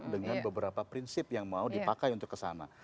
dengan beberapa prinsip yang mau dipakai untuk kesana